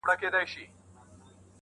په غوغا به يې په ښار كي ځوان او زوړ كړ٫